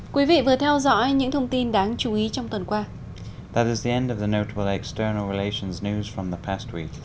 quý vị vừa theo dõi những thông tin đáng chú ý trong tuần qua